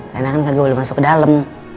karena kan gak boleh masuk ke dalem